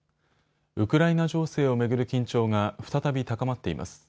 ウクライナ情勢を巡る緊張が再び高まっています。